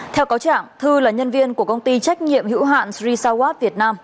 theo cáo trạng thư là nhân viên của công ty trách nhiệm hữu hạn sri sawat việt nam